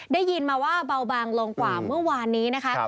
ได้ยินมาว่าเบาบางลงกว่าเมื่อวานนี้นะคะ